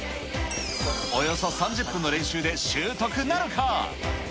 およそ３０分の練習で習得なるか。